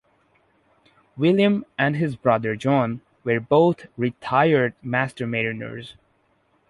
William and his brother John were both retired Master Mariners.